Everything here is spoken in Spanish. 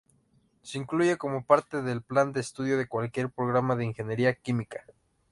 Se incluye como parte del plan de estudios de cualquier programa de ingeniería química.